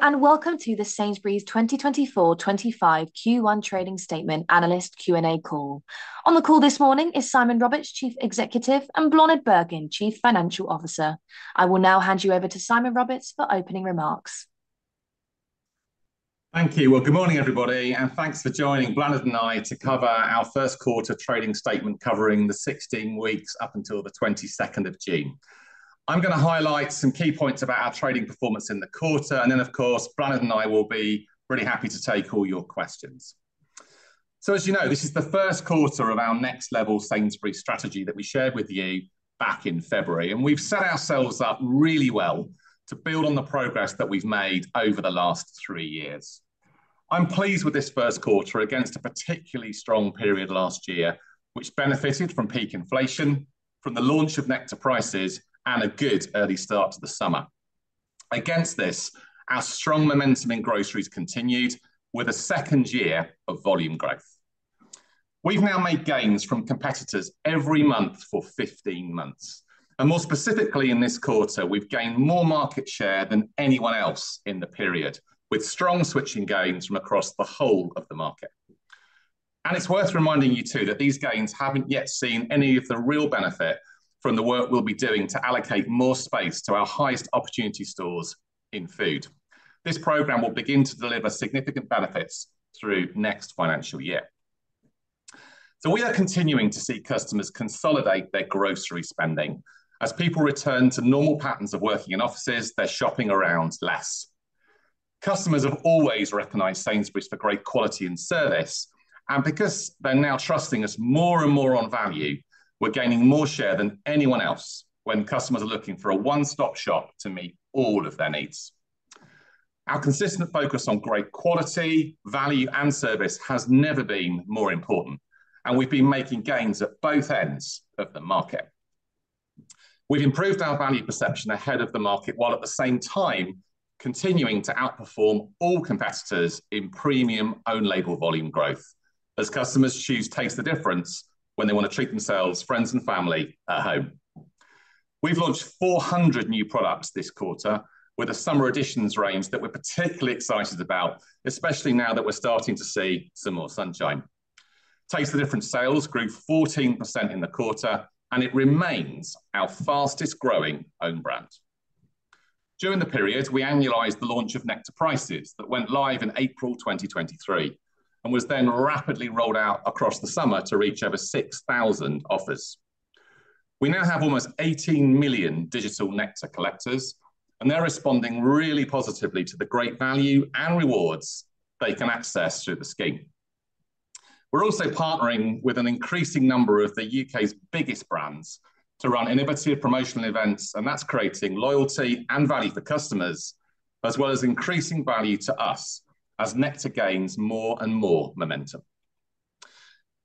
Hello, and welcome to the Sainsbury's 2024-25 Q1 Trading Statement Analyst Q&A Call. On the call this morning is Simon Roberts, Chief Executive, and Bláthnaid Bergin, Chief Financial Officer. I will now hand you over to Simon Roberts for opening remarks. Thank you. Well, good morning, everybody, and thanks for joining Bláthnaid and I to cover our first quarter trading statement, covering the 16 weeks up until the 22nd of June. I'm gonna highlight some key points about our trading performance in the quarter, and then, of course, Bláthnaid and I will be really happy to take all your questions. So, as you know, this is the first quarter of our Next Level Sainsbury's strategy that we shared with you back in February, and we've set ourselves up really well to build on the progress that we've made over the last three years. I'm pleased with this first quarter against a particularly strong period last year, which benefited from peak inflation, from the launch of Nectar Prices, and a good early start to the summer. Against this, our strong momentum in groceries continued with a second year of volume growth. We've now made gains from competitors every month for 15 months, and more specifically in this quarter, we've gained more market share than anyone else in the period, with strong switching gains from across the whole of the market. It's worth reminding you, too, that these gains haven't yet seen any of the real benefit from the work we'll be doing to allocate more space to our highest opportunity stores in food. This program will begin to deliver significant benefits through next financial year. We are continuing to see customers consolidate their grocery spending. As people return to normal patterns of working in offices, they're shopping around less. Customers have always recognized Sainsbury's for great quality and service, and because they're now trusting us more and more on value, we're gaining more share than anyone else when customers are looking for a one-stop shop to meet all of their needs. Our consistent focus on great quality, value, and service has never been more important, and we've been making gains at both ends of the market. We've improved our value perception ahead of the market, while at the same time continuing to outperform all competitors in premium own-label volume growth, as customers choose Taste the Difference when they want to treat themselves, friends, and family at home. We've launched 400 new products this quarter, with a Summer Editions range that we're particularly excited about, especially now that we're starting to see some more sunshine. Taste the Difference sales grew 14% in the quarter, and it remains our fastest-growing own brand. During the period, we annualized the launch of Nectar Prices that went live in April 2023 and was then rapidly rolled out across the summer to reach over 6,000 offers. We now have almost 18 million digital Nectar collectors, and they're responding really positively to the great value and rewards they can access through the scheme. We're also partnering with an increasing number of the UK's biggest brands to run innovative promotional events, and that's creating loyalty and value for customers, as well as increasing value to us as Nectar gains more and more momentum.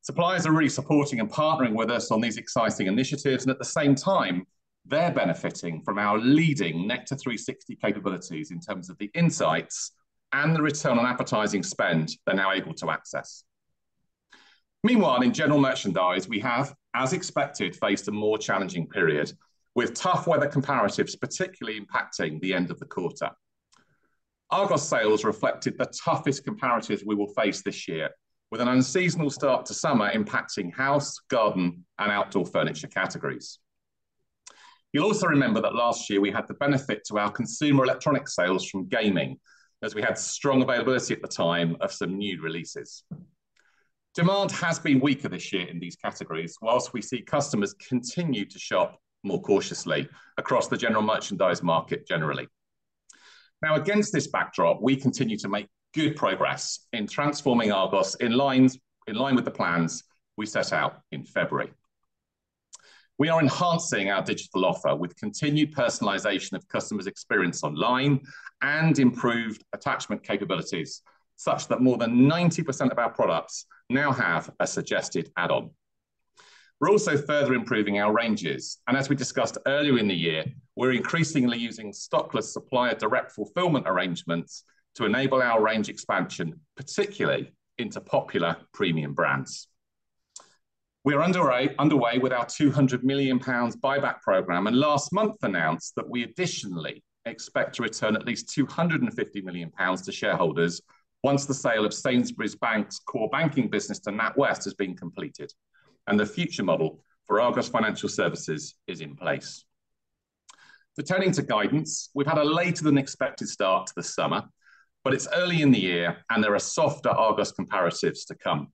Suppliers are really supporting and partnering with us on these exciting initiatives, and at the same time, they're benefiting from our leading Nectar360 capabilities in terms of the insights and the return on advertising spend they're now able to access. Meanwhile, in general merchandise, we have, as expected, faced a more challenging period, with tough weather comparatives particularly impacting the end of the quarter. Argos sales reflected the toughest comparatives we will face this year, with an unseasonal start to summer impacting house, garden, and outdoor furniture categories. You'll also remember that last year we had the benefit to our consumer electronic sales from gaming, as we had strong availability at the time of some new releases. Demand has been weaker this year in these categories, whilst we see customers continue to shop more cautiously across the general merchandise market generally. Now, against this backdrop, we continue to make good progress in transforming Argos in line with the plans we set out in February. We are enhancing our digital offer with continued personalization of customers' experience online and improved attachment capabilities, such that more than 90% of our products now have a suggested add-on. We're also further improving our ranges, and as we discussed earlier in the year, we're increasingly using stockless supplier direct fulfillment arrangements to enable our range expansion, particularly into popular premium brands. We are underway with our 200 million pounds buyback program, and last month announced that we additionally expect to return at least 250 million pounds to shareholders once the sale of Sainsbury's Bank's core banking business to NatWest has been completed and the future model for Argos Financial Services is in place. Returning to guidance, we've had a later-than-expected start to the summer, but it's early in the year, and there are softer Argos comparatives to come.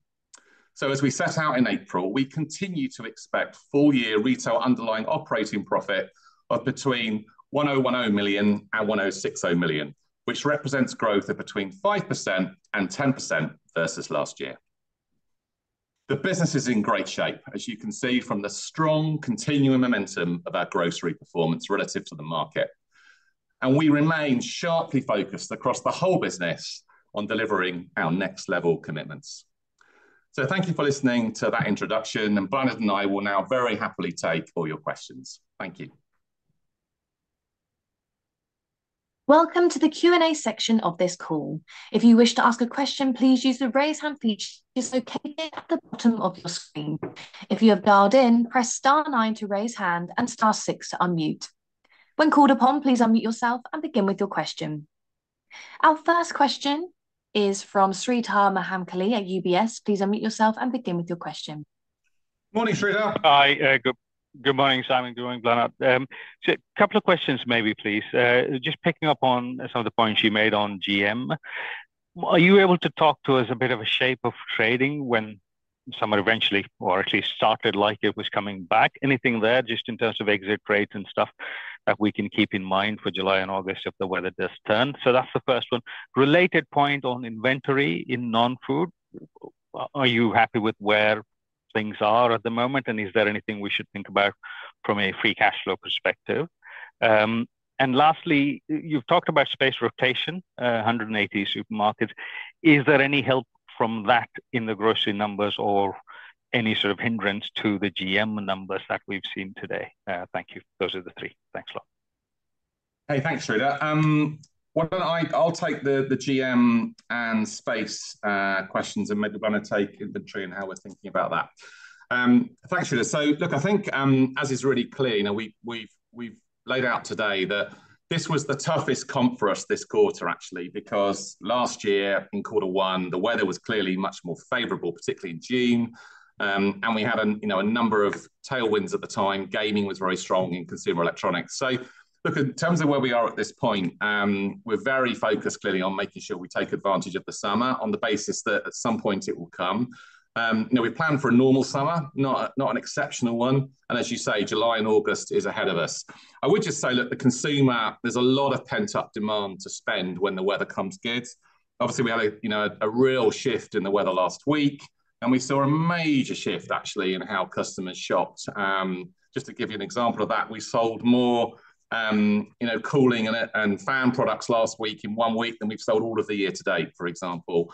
So as we set out in April, we continue to expect full-year retail underlying operating profit of between 1,010 million and 1,060 million, which represents growth of between 5% and 10% versus last year. The business is in great shape, as you can see from the strong continuing momentum of our grocery performance relative to the market, and we remain sharply focused across the whole business on delivering our next level commitments. So thank you for listening to that introduction, and Bláthnaid and I will now very happily take all your questions. Thank you. Welcome to the Q&A section of this call. If you wish to ask a question, please use the Raise Hand feature, which is located at the bottom of your screen. If you have dialed in, press star nine to raise hand and star six to unmute. When called upon, please unmute yourself and begin with your question. Our first question is from Sreedhar Mahamkali at UBS. Please unmute yourself and begin with your question. Morning, Sreedhar. Hi, good, good morning, Simon, good morning, Bláthnaid Bergin. So a couple of questions maybe, please. Just picking up on some of the points you made on GM. Are you able to talk to us a bit of a shape of trading when summer eventually, or at least started like it was coming back? Anything there, just in terms of exit rates and stuff that we can keep in mind for July and August if the weather does turn? So that's the first one. Related point on inventory in non-food, are you happy with where things are at the moment, and is there anything we should think about from a free cash flow perspective? And lastly, you've talked about space rotation, 180 supermarkets, is there any help from that in the grocery numbers or any sort of hindrance to the GM numbers that we've seen today? Thank you. Those are the three. Thanks a lot. Hey, thanks, Sreedhar. Why don't I'll take the, the GM and space questions, and maybe Bláthnaid take inventory and how we're thinking about that. Thanks, Sreedhar. So look, I think, as is really clear, you know, we've laid out today that this was the toughest comp for us this quarter, actually, because last year in quarter one, the weather was clearly much more favorable, particularly in June. And we had a, you know, a number of tailwinds at the time. Gaming was very strong in consumer electronics. So look, in terms of where we are at this point, we're very focused, clearly, on making sure we take advantage of the summer on the basis that at some point it will come. You know, we plan for a normal summer, not a, not an exceptional one, and as you say, July and August is ahead of us. I would just say, look, the consumer, there's a lot of pent-up demand to spend when the weather comes good. Obviously, we had a, you know, a real shift in the weather last week, and we saw a major shift, actually, in how customers shopped. Just to give you an example of that, we sold more, you know, cooling and fan products last week in one week than we've sold all of the year to date, for example.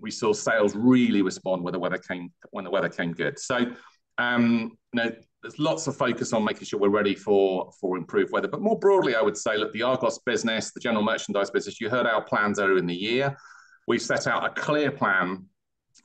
We saw sales really respond when the weather came, when the weather came good. So, you know, there's lots of focus on making sure we're ready for improved weather. More broadly, I would say, look, the Argos business, the general merchandise business, you heard our plans earlier in the year. We've set out a clear plan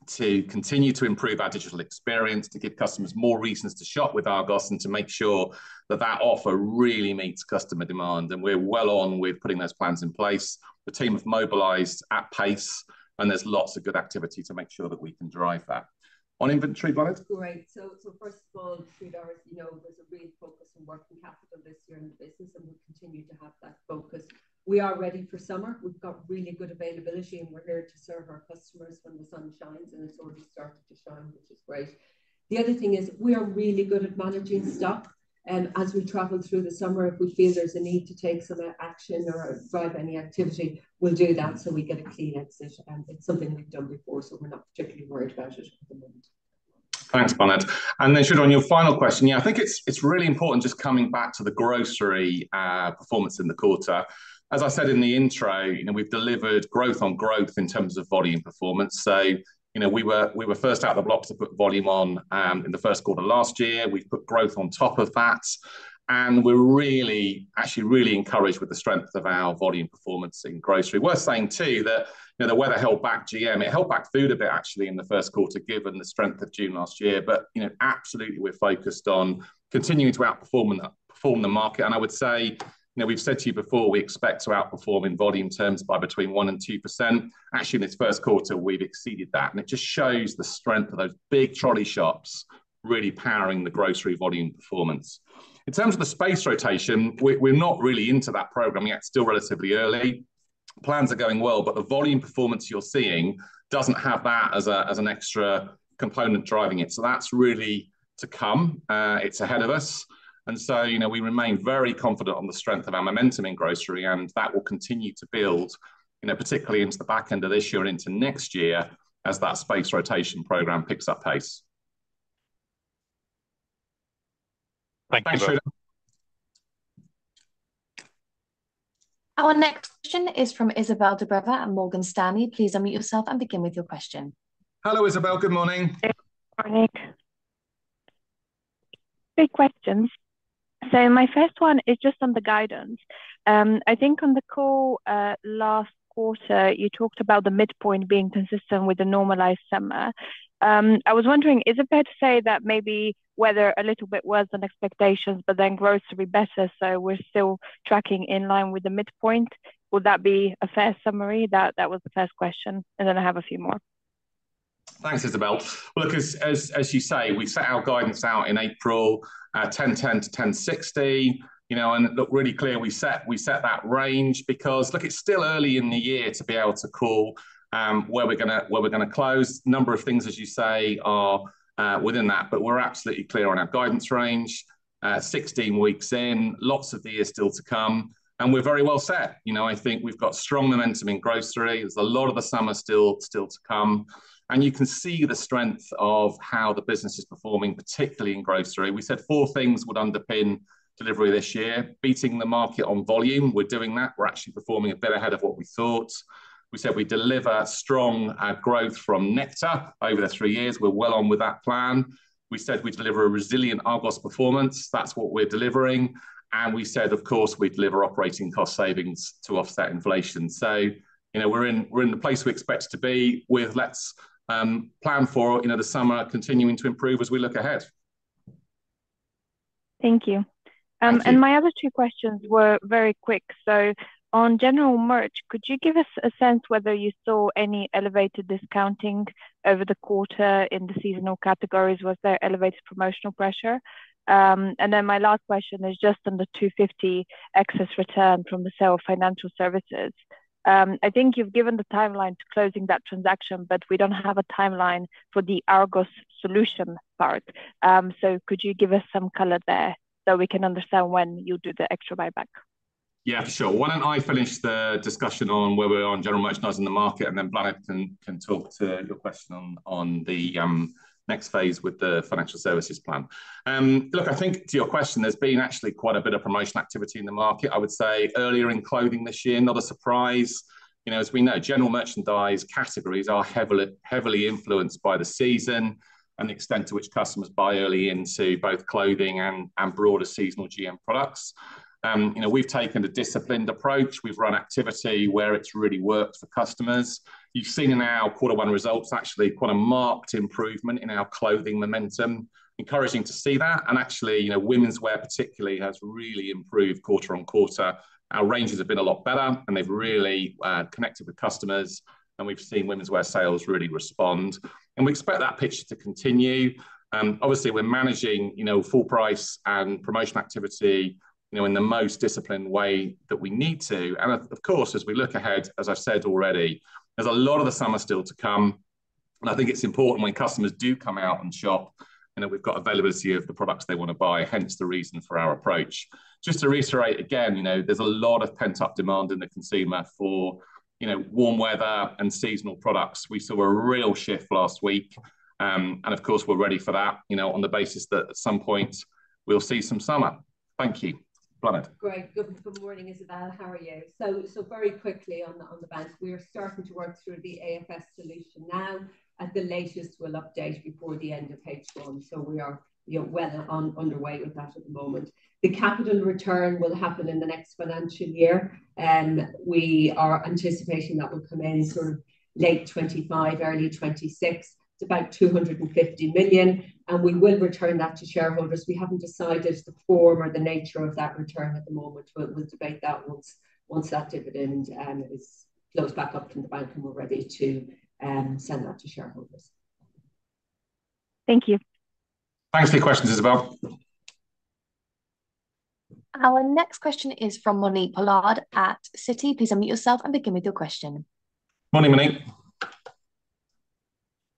to continue to improve our digital experience, to give customers more reasons to shop with Argos, and to make sure that that offer really meets customer demand, and we're well on with putting those plans in place. The team have mobilized at pace, and there's lots of good activity to make sure that we can drive that. On inventory, Bláthnaid? Great. So, so first of all, Sreedhar, as you know, there's a real focus on working capital this year in the business, and we'll continue to have that focus. We are ready for summer. We've got really good availability, and we're here to serve our customers when the sun shines, and it's already started to shine, which is great. The other thing is, we are really good at managing stock, and as we travel through the summer, if we feel there's a need to take some action or drive any activity, we'll do that so we get a clean exit. And it's something we've done before, so we're not particularly worried about it at the moment. Thanks, Bláthnaid. And then, Sreedhar, on your final question, yeah, I think it's really important just coming back to the grocery performance in the quarter. As I said in the intro, you know, we've delivered growth on growth in terms of volume performance. So, you know, we were first out the blocks to put volume on in the first quarter last year. We've put growth on top of that, and we're really actually really encouraged with the strength of our volume performance in grocery. Worth saying, too, that, you know, the weather held back GM. It held back food a bit, actually, in the first quarter, given the strength of June last year. But, you know, absolutely we're focused on continuing to outperform in the market. I would say, you know, we've said to you before, we expect to outperform in volume terms by between 1%-2%. Actually, in this first quarter, we've exceeded that, and it just shows the strength of those big trolley shops really powering the grocery volume performance. In terms of the space rotation, we're not really into that program yet. It's still relatively early. Plans are going well, but the volume performance you're seeing doesn't have that as an extra component driving it. So that's really to come. It's ahead of us, and so, you know, we remain very confident on the strength of our momentum in grocery, and that will continue to build, you know, particularly into the back end of this year and into next year as that space rotation program picks up pace. Thank you. Thanks, Sreedhar. Our next question is from Izabel Dobreva at Morgan Stanley. Please unmute yourself and begin with your question. Hello, Izabel. Good morning. Good morning. Three questions. So my first one is just on the guidance. I think on the call last quarter, you talked about the midpoint being consistent with a normalized summer. I was wondering, is it fair to say that maybe weather a little bit worse than expectations, but then grocery better, so we're still tracking in line with the midpoint? Would that be a fair summary? That was the first question, and then I have a few more. Thanks, Izabel. Look, as you say, we set our guidance out in April, 1010-1060, you know, and look, really clear, we set that range because, look, it's still early in the year to be able to call where we're gonna close. A number of things, as you say, are within that, but we're absolutely clear on our guidance range. 16 weeks in, lots of the year still to come, and we're very well set. You know, I think we've got strong momentum in grocery. There's a lot of the summer still to come, and you can see the strength of how the business is performing, particularly in grocery. We said four things would underpin delivery this year. Beating the market on volume, we're doing that. We're actually performing a bit ahead of what we thought. We said we'd deliver strong growth from Nectar over the three years. We're well on with that plan. We said we'd deliver a resilient Argos performance. That's what we're delivering. And we said, of course, we'd deliver operating cost savings to offset inflation. So, you know, we're in, we're in the place we expect to be with. Let's plan for, you know, the summer continuing to improve as we look ahead. Thank you. My other two questions were very quick. So on general merch, could you give us a sense whether you saw any elevated discounting over the quarter in the seasonal categories? Was there elevated promotional pressure? Then my last question is just on the 250 million excess return from the sale of financial services. I think you've given the timeline to closing that transaction, but we don't have a timeline for the Argos Financial Services part. So could you give us some color there, so we can understand when you'll do the extra buyback? Yeah, sure. Why don't I finish the discussion on where we're on general merchandise in the market, and then Bláthnaid can talk to your question on the next phase with the financial services plan? Look, I think to your question, there's been actually quite a bit of promotion activity in the market. I would say earlier in clothing this year, not a surprise. You know, as we know, general merchandise categories are heavily, heavily influenced by the season and the extent to which customers buy early into both clothing and broader seasonal GM products. You know, we've taken a disciplined approach. We've run activity where it's really worked for customers. You've seen in our quarter one results, actually quite a marked improvement in our clothing momentum. Encouraging to see that, and actually, you know, womenswear particularly has really improved quarter-over-quarter. Our ranges have been a lot better, and they've really connected with customers, and we've seen womenswear sales really respond. And we expect that picture to continue. Obviously, we're managing, you know, full price and promotion activity, you know, in the most disciplined way that we need to. And of course, as we look ahead, as I've said already, there's a lot of the summer still to come, and I think it's important when customers do come out and shop, you know, we've got availability of the products they want to buy, hence the reason for our approach. Just to reiterate, again, you know, there's a lot of pent-up demand in the consumer for, you know, warm weather and seasonal products. We saw a real shift last week, and of course, we're ready for that, you know, on the basis that at some point we'll see some summer. Thank you. Bláthnaid? Great. Good morning, Izabel. How are you? So very quickly on the bank, we are starting to work through the AFS solution now. At the latest, we'll update before the end of H1, so we are, you know, well underway with that at the moment. The capital return will happen in the next financial year, and we are anticipating that will come in sort of late 2025, early 2026. It's about 250 million, and we will return that to shareholders. We haven't decided the form or the nature of that return at the moment, but we'll debate that once that dividend flows back up from the bank, and we're ready to send that to shareholders. Thank you. Thanks for your questions, Izabel. Our next question is from Monique Pollard at Citi. Please unmute yourself and begin with your question. Morning, Monique.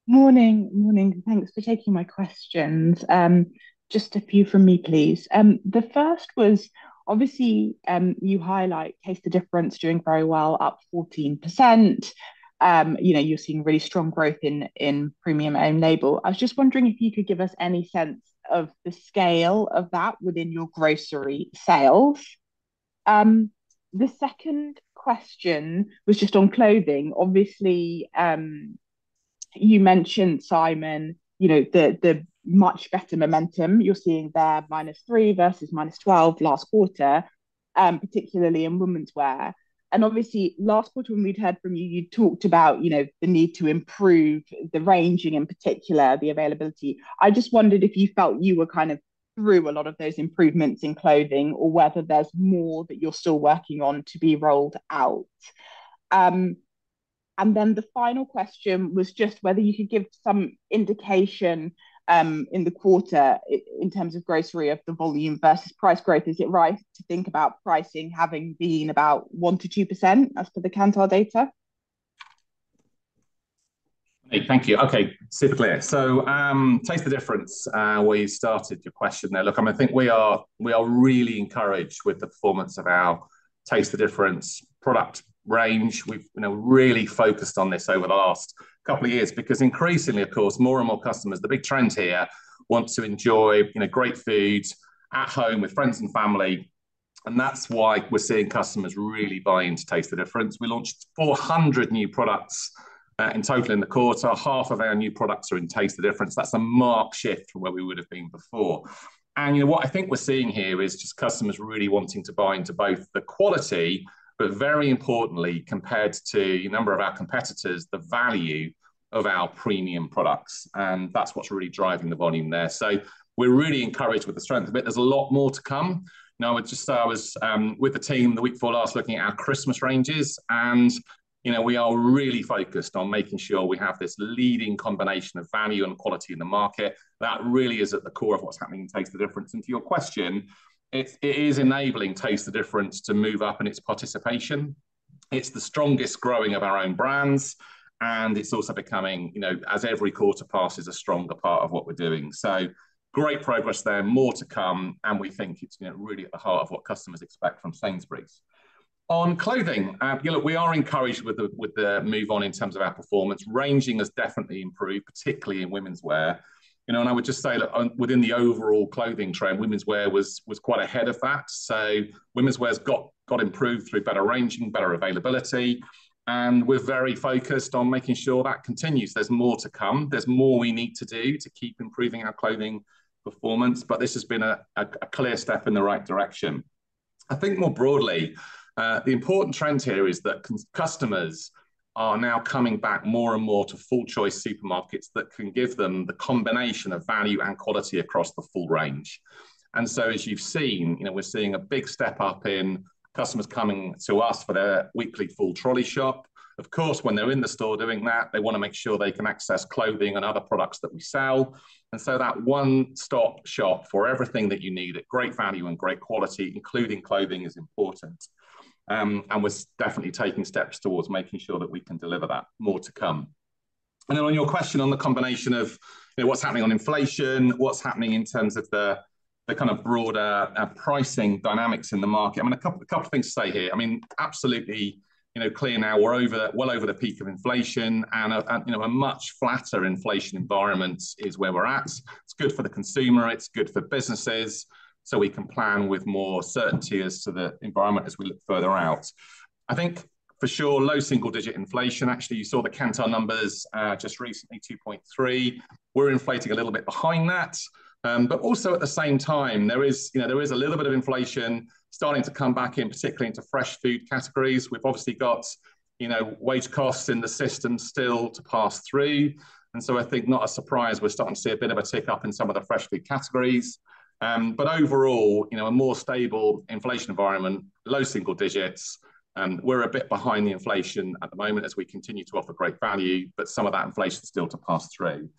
Morning, morning. Thanks for taking my questions. Just a few from me, please. The first was, obviously, you highlight Taste the Difference doing very well, up 14%. You know, you're seeing really strong growth in, in premium own label. I was just wondering if you could give us any sense of the scale of that within your grocery sales. The second question was just on clothing. Obviously, you mentioned, Simon, you know, the, the much better momentum you're seeing there, -3 versus -12 last quarter, particularly in womenswear. And obviously, last quarter when we'd heard from you, you talked about, you know, the need to improve the ranging, in particular, the availability. I just wondered if you felt you were kind of through a lot of those improvements in clothing, or whether there's more that you're still working on to be rolled out. And then the final question was just whether you could give some indication, in the quarter in terms of grocery, of the volume versus price growth. Is it right to think about pricing having been about 1%-2% as per the Kantar data? Thank you. Okay, super clear. So, Taste the Difference, where you started your question there. Look, I think we are, we are really encouraged with the performance of our Taste the Difference product range. We've, you know, really focused on this over the last couple of years, because increasingly, of course, more and more customers, the big trend here, want to enjoy, you know, great food at home with friends and family, and that's why we're seeing customers really buy into Taste the Difference. We launched 400 new products in total in the quarter. Half of our new products are in Taste the Difference. That's a marked shift from where we would've been before. You know, what I think we're seeing here is just customers really wanting to buy into both the quality, but very importantly, compared to a number of our competitors, the value of our premium products, and that's what's really driving the volume there. So we're really encouraged with the strength of it. There's a lot more to come. Now, I just, I was with the team the week before last, looking at our Christmas ranges and, you know, we are really focused on making sure we have this leading combination of value and quality in the market. That really is at the core of what's happening in Taste the Difference. And to your question, it's, it is enabling Taste the Difference to move up in its participation. It's the strongest growing of our own brands, and it's also becoming, you know, as every quarter passes, a stronger part of what we're doing. So great progress there, more to come, and we think it's, you know, really at the heart of what customers expect from Sainsbury's. On clothing, you know, we are encouraged with the move on in terms of our performance. Ranging has definitely improved, particularly in womenswear. You know, and I would just say that on—within the overall clothing trend, womenswear was quite ahead of that. So womenswear's got improved through better ranging, better availability, and we're very focused on making sure that continues. There's more to come. There's more we need to do to keep improving our clothing performance, but this has been a clear step in the right direction. I think more broadly, the important trend here is that customers are now coming back more and more to full-choice supermarkets that can give them the combination of value and quality across the full range. And so as you've seen, you know, we're seeing a big step up in customers coming to us for their weekly full trolley shop. Of course, when they're in the store doing that, they want to make sure they can access clothing and other products that we sell, and so that one-stop shop for everything that you need at great value and great quality, including clothing, is important. And we're definitely taking steps towards making sure that we can deliver that. More to come. Then on your question on the combination of, you know, what's happening on inflation, what's happening in terms of the kind of broader pricing dynamics in the market, I mean, a couple of things to say here. I mean, absolutely, you know, clear now we're over the, well over the peak of inflation, and, you know, a much flatter inflation environment is where we're at. It's good for the consumer, it's good for businesses, so we can plan with more certainty as to the environment as we look further out. I think, for sure, low single-digit inflation. Actually you saw the Kantar numbers just recently, 2.3. We're inflating a little bit behind that, but also at the same time, there is, you know, there is a little bit of inflation starting to come back in, particularly into fresh food categories. We've obviously got, you know, wage costs in the system still to pass through, and so I think not a surprise we're starting to see a bit of a tick-up in some of the fresh food categories. But overall, you know, a more stable inflation environment, low single digits, and we're a bit behind the inflation at the moment as we continue to offer great value, but some of that inflation's still to pass through.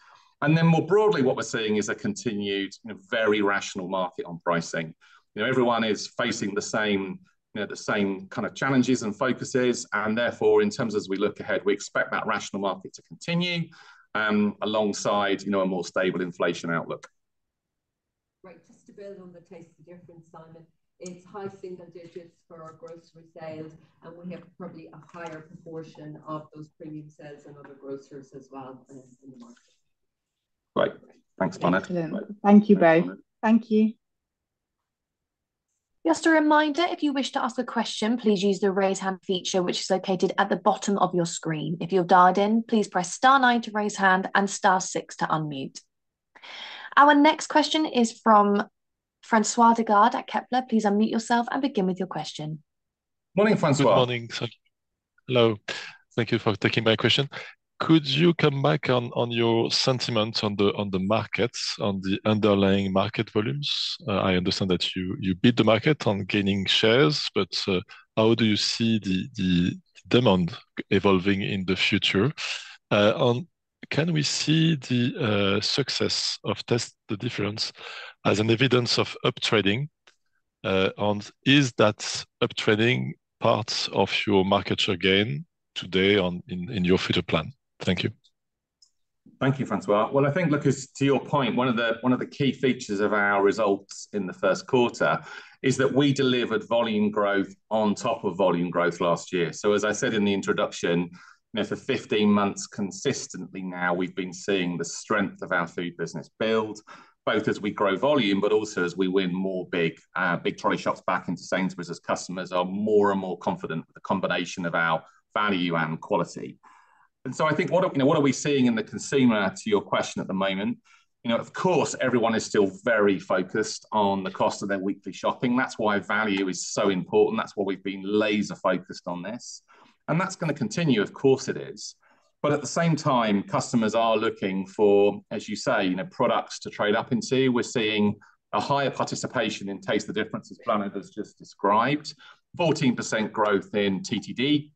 And then more broadly, what we're seeing is a continued, you know, very rational market on pricing. You know, everyone is facing the same, you know, the same kind of challenges and focuses, and therefore in terms as we look ahead, we expect that rational market to continue, alongside, you know, a more stable inflation outlook. Right. Just to build on the Taste the Difference, Simon, it's high single digits for our grocery sales, and we have probably a higher proportion of those premium sales than other grocers as well, in the market. Right. Thanks, Bláthnaid. Excellent. Thank you both. Thank you. Just a reminder, if you wish to ask a question, please use the Raise Hand feature, which is located at the bottom of your screen. If you're dialed in, please press star nine to raise hand and star six to unmute. Our next question is from François Digard at Kepler. Please unmute yourself and begin with your question. Morning, Francois. Good morning, sir. Hello, thank you for taking my question. Could you come back on your sentiment on the markets, on the underlying market volumes? I understand that you beat the market on gaining shares, but how do you see the demand evolving in the future? And can we see the success of Taste the Difference as an evidence of up trading? Is that up trading part of your market share gain today in your future plan? Thank you. Thank you, François. Well, I think, look, as to your point, one of the, one of the key features of our results in the first quarter is that we delivered volume growth on top of volume growth last year. So as I said in the introduction, you know, for 15 months consistently now, we've been seeing the strength of our food business build, both as we grow volume, but also as we win more big, big trolley shops back into Sainsbury's, as customers are more and more confident with the combination of our value and quality. And so I think, what are, you know, what are we seeing in the consumer, to your question, at the moment? You know, of course, everyone is still very focused on the cost of their weekly shopping. That's why value is so important. That's why we've been laser-focused on this, and that's gonna continue, of course it is. But at the same time, customers are looking for, as you say, you know, products to trade up into. We're seeing a higher participation in Taste the Difference, as Bláthnaid has just described, 14% growth in TTD,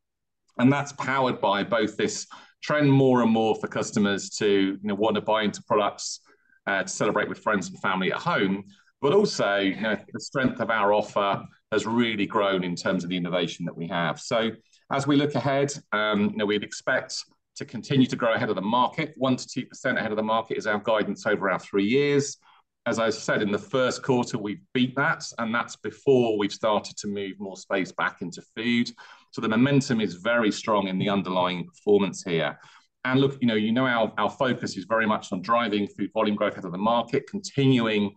and that's powered by both this trend more and more for customers to, you know, want to buy into products, to celebrate with friends and family at home. But also, you know, the strength of our offer has really grown in terms of the innovation that we have. So as we look ahead, you know, we'd expect to continue to grow ahead of the market. 1%-2% ahead of the market is our guidance over our three years. As I said, in the first quarter, we've beat that, and that's before we've started to move more space back into food, so the momentum is very strong in the underlying performance here. And look, you know, our focus is very much on driving food volume growth out of the market, continuing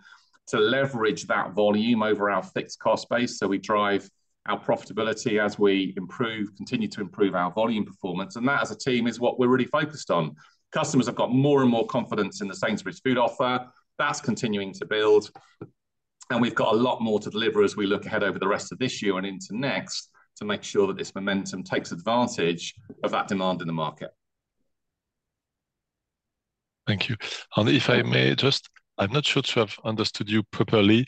to leverage that volume over our fixed cost base, so we drive our profitability as we improve, continue to improve our volume performance, and that, as a team, is what we're really focused on. Customers have got more and more confidence in the Sainsbury's food offer. That's continuing to build, and we've got a lot more to deliver as we look ahead over the rest of this year and into next, to make sure that this momentum takes advantage of that demand in the market. Thank you. And if I may just, I'm not sure to have understood you properly,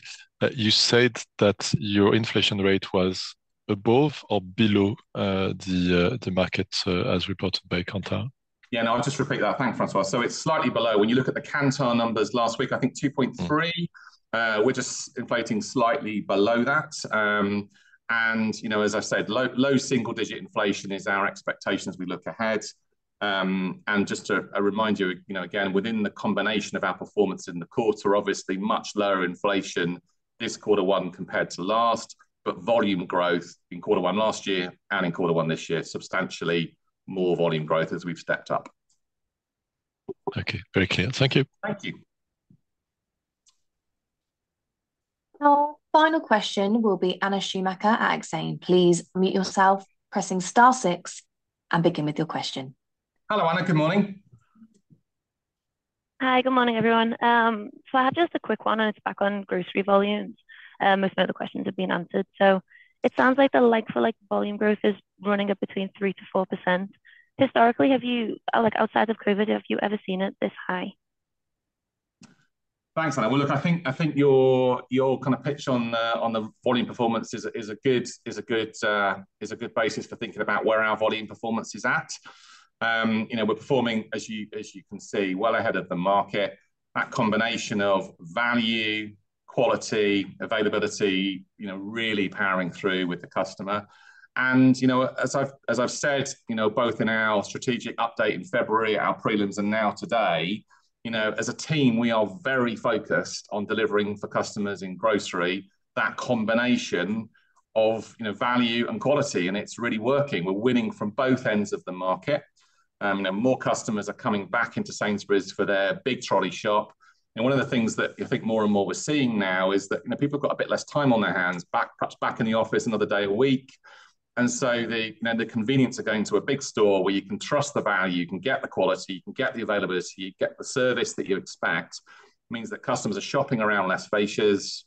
you said that your inflation rate was above or below the market, as reported by Kantar? Yeah, no, I'll just repeat that. Thank you, François. So it's slightly below. When you look at the Kantar numbers last week, I think 2.3. Mm. We're just inflating slightly below that. You know, as I said, low single-digit inflation is our expectation as we look ahead. Just to remind you, you know, again, within the combination of our performance in the quarter, obviously much lower inflation this quarter one compared to last, but volume growth in quarter one last year and in quarter one this year, substantially more volume growth as we've stepped up. Okay, very clear. Thank you. Thank you. Our final question will be Anna Schumacher at Exane. Please unmute yourself, pressing star six, and begin with your question. Hello, Anna, good morning. Hi, good morning, everyone. So I have just a quick one, and it's back on grocery volumes. Most of the questions have been answered. So it sounds like the like-for-like volume growth is running up between 3%-4%. Historically, have you, like, outside of COVID, have you ever seen it this high? Thanks, Anna. Well, look, I think your kind of pitch on the volume performance is a good basis for thinking about where our volume performance is at. You know, we're performing as you can see, well ahead of the market. That combination of value, quality, availability, you know, really powering through with the customer. And, you know, as I've said, you know, both in our strategic update in February, our prelims, and now today, you know, as a team, we are very focused on delivering for customers in grocery, that combination of, you know, value and quality, and it's really working. We're winning from both ends of the market. You know, more customers are coming back into Sainsbury's for their big trolley shop, and one of the things that I think more and more we're seeing now is that, you know, people have got a bit less time on their hands, back, perhaps back in the office another day a week. And so the, you know, the convenience of going to a big store where you can trust the value, you can get the quality, you can get the availability, you get the service that you expect, means that customers are shopping around less fascias.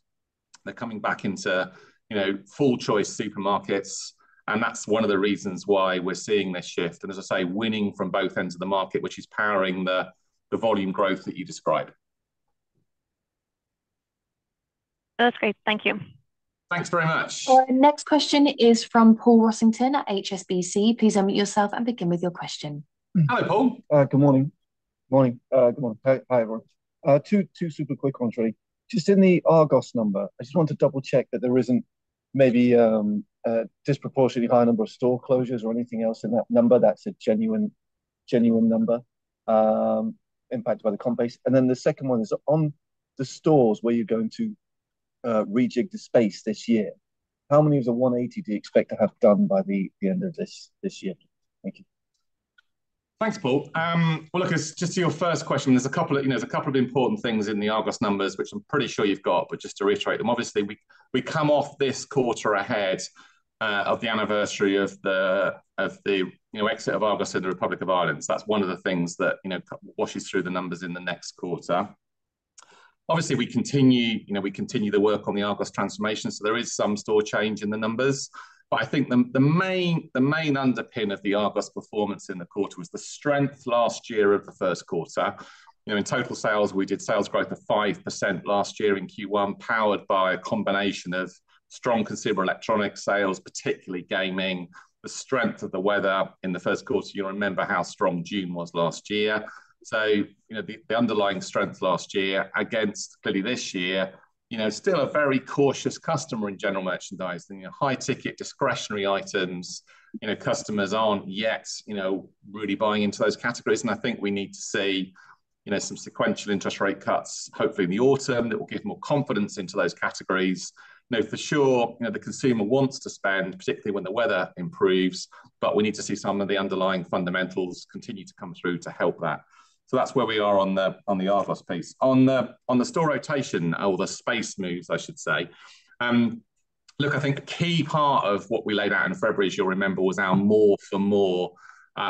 They're coming back into, you know, full choice supermarkets, and that's one of the reasons why we're seeing this shift, and as I say, winning from both ends of the market, which is powering the volume growth that you described. That's great. Thank you. Thanks very much. Our next question is from Paul Rossington at HSBC. Please unmute yourself and begin with your question. Hello, Paul. Good morning. Morning, good morning. Hi, everyone. Two super quick ones really. Just in the Argos number, I just want to double-check that there isn't maybe a disproportionately high number of store closures or anything else in that number, that's a genuine, genuine number, impacted by the comp base? And then the second one is on the stores where you're going to rejig the space this year, how many of the 180 do you expect to have done by the end of this year? Thank you. Thanks, Paul. Well, look, just to your first question, there's a couple of, you know, there's a couple of important things in the Argos numbers, which I'm pretty sure you've got, but just to reiterate them. Obviously, we come off this quarter ahead of the anniversary of the exit of Argos in the Republic of Ireland. So that's one of the things that, you know, washes through the numbers in the next quarter. Obviously, we continue the work on the Argos transformation, so there is some store change in the numbers. But I think the main underpin of the Argos performance in the quarter was the strength last year of the first quarter. You know, in total sales, we did sales growth of 5% last year in Q1, powered by a combination of strong consumer electronic sales, particularly gaming, the strength of the weather in the first quarter. You remember how strong June was last year. So, you know, the underlying strength last year against clearly this year, you know, still a very cautious customer in general merchandising, you know, high-ticket discretionary items. You know, customers aren't yet, you know, really buying into those categories, and I think we need to see, you know, some sequential interest rate cuts, hopefully in the autumn, that will give more confidence into those categories. You know, for sure, you know, the consumer wants to spend, particularly when the weather improves, but we need to see some of the underlying fundamentals continue to come through to help that. So that's where we are on the Argos piece. On the store rotation, or the space moves, I should say, look, I think a key part of what we laid out in February, as you'll remember, was our more for more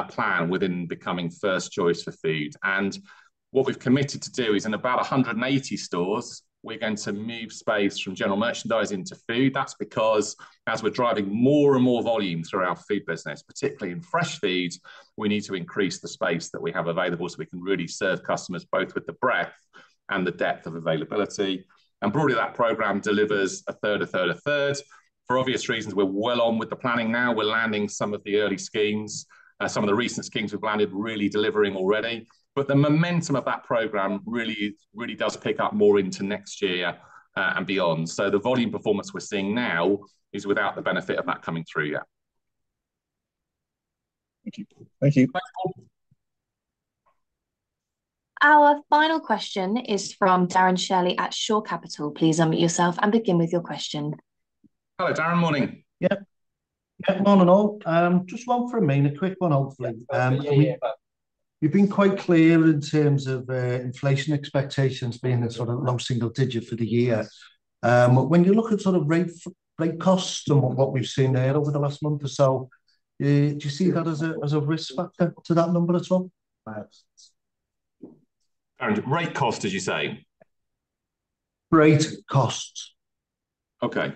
plan within becoming first choice for food. And what we've committed to do is in about 180 stores, we're going to move space from general merchandise into food. That's because as we're driving more and more volume through our food business, particularly in fresh food, we need to increase the space that we have available, so we can really serve customers both with the breadth and the depth of availability. And broadly, that program delivers a third, a third, a third. For obvious reasons, we're well on with the planning now. We're landing some of the early schemes. Some of the recent schemes we've landed really delivering already. But the momentum of that program really, really does pick up more into next year, and beyond. So the volume performance we're seeing now is without the benefit of that coming through yet. Thank you. Thank you. Thanks, Paul. Our final question is from Darren Shirley at Shore Capital. Please unmute yourself and begin with your question. Hello, Darren. Morning. Yeah. Yeah, morning, all. Just one for me, and a quick one, hopefully. Yeah. You've been quite clear in terms of inflation expectations being a sort of low single digit for the year. But when you look at sort of rate costs, some of what we've seen there over the last month or so, do you see that as a risk factor to that number at all? Rate cost, did you say? Rate costs. Okay.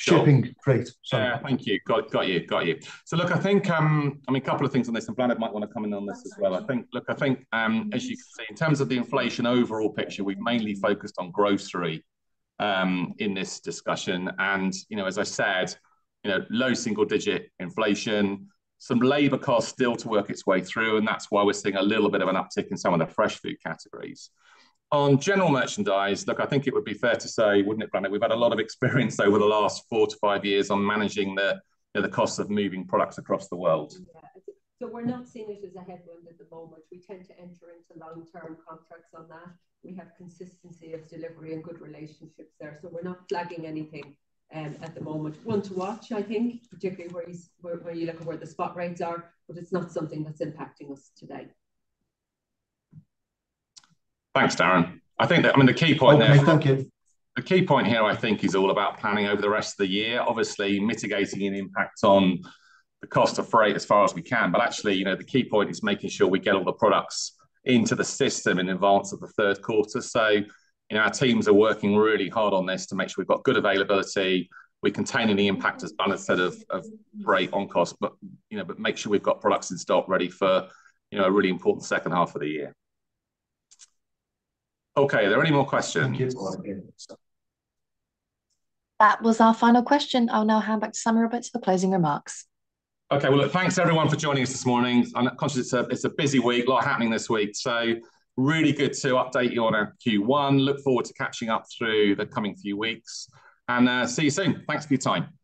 Shipping rate, sorry. Yeah, thank you. Got you. Got you. So look, I think, I mean, a couple of things on this, and Bláthnaid might want to come in on this as well. I think, look, I think, as you can see, in terms of the inflation overall picture, we've mainly focused on grocery in this discussion. And, you know, as I said, you know, low single digit inflation, some labor costs still to work its way through, and that's why we're seeing a little bit of an uptick in some of the fresh food categories. On general merchandise, look, I think it would be fair to say, wouldn't it, Bláthnaid, we've had a lot of experience over the last 4-5 years on managing the, you know, the costs of moving products across the world. Yeah. So we're not seeing it as a headwind at the moment. We tend to enter into long-term contracts on that. We have consistency of delivery and good relationships there, so we're not flagging anything at the moment. One to watch, I think, particularly where you look at where the spot rates are, but it's not something that's impacting us today. Thanks, Darren. I think that, I mean, the key point there- Okay. Thank you. The key point here, I think, is all about planning over the rest of the year, obviously mitigating an impact on the cost of freight as far as we can. But actually, you know, the key point is making sure we get all the products into the system in advance of the third quarter. So, you know, our teams are working really hard on this to make sure we've got good availability. We're containing the impact as Bláthnaid said of freight on cost, but, you know, but make sure we've got products in stock ready for, you know, a really important second half of the year. Okay. Are there any more questions? That was our final question. I'll now hand back to Simon Roberts for the closing remarks. Okay. Well, look, thanks, everyone, for joining us this morning. I'm conscious it's a, it's a busy week, a lot happening this week, so really good to update you on our Q1. Look forward to catching up through the coming few weeks, and see you soon. Thanks for your time.